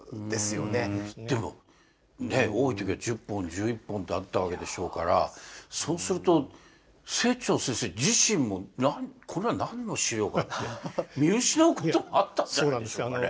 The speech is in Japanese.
でもね多い時は１０本１１本とあったわけでしょうからそうすると清張先生自身も「これは何の資料か？」って見失うこともあったんじゃないでしょうかね。